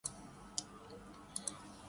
Antigua اور باربودا